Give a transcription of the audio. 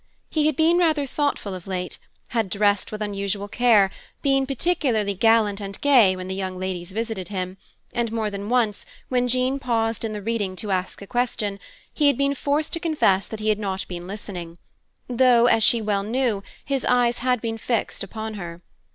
He had been rather thoughtful of late, had dressed with unusual care, been particularly gallant and gay when the young ladies visited him, and more than once, when Jean paused in the reading to ask a question, he had been forced to confess that he had not been listening; though, as she well knew, his eyes had been fixed upon her.